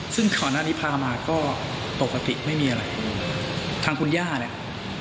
ซึ่งก่อนหน้านี้พามาก็ปกติไม่มีอะไรทางคุณย่าเนี่ย